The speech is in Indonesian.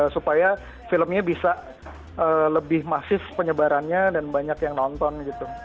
supaya filmnya bisa lebih masif penyebarannya dan banyak yang nonton gitu